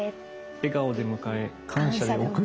笑顔で迎え感謝で送る！